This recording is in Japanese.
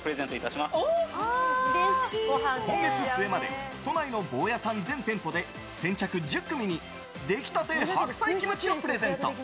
今月末まで都内の房家さん全店舗で先着１０組に出来たて白菜キムチをプレゼント。